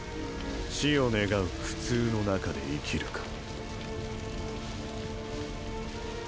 死を願う苦痛の中で生きるか